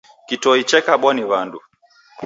Kitoi chekabwa ni wandu.